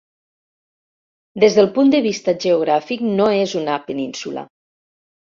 Des del punt de vista geogràfic no és una península.